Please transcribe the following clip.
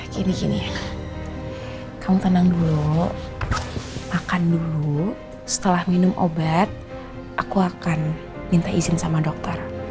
gini gini kamu tenang dulu makan dulu setelah minum obat aku akan minta izin sama dokter